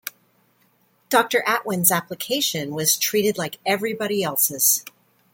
Doctor Atwan's application was treated like everybody else's.